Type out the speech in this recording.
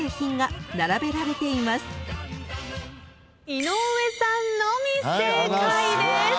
井上さんのみ正解です。